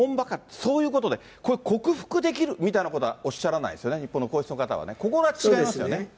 そういうことで、これ、克服できるみたいなことはおっしゃらないですよね、日本の皇室の方はね、ここが違いますよね。